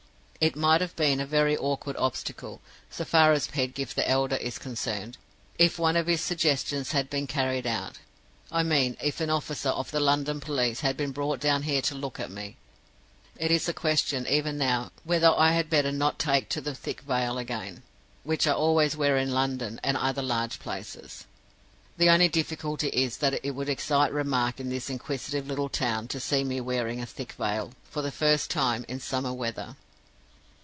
"It might have been a very awkward obstacle, so far as Pedgift the elder is concerned, if one of his suggestions had been carried out; I mean, if an officer of the London police had been brought down here to look at me. It is a question, even now, whether I had better not take to the thick veil again, which I always wear in London and other large places. The only difficulty is that it would excite remark in this inquisitive little town to see me wearing a thick veil, for the first time, in the summer weather.